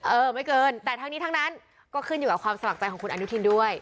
เออไม่เกินแต่ทั้งนี้ทั้งนั้นก็ขึ้นอยู่กับความสมัครใจของคุณอนุทินด้วย